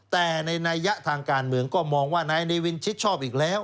แต่ในนัยยะทางการเมืองก็มองว่านายเนวินชิดชอบอีกแล้ว